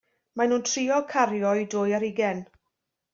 Maen nhw'n trio cario o'u dwy ar hugain.